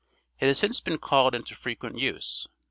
It has since been called into frequent use.